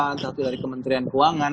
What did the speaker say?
entah itu dari kementerian keuangan